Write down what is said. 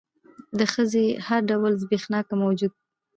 د ښځې هر ډول زبېښاک موجود دى.